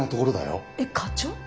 えっ課長？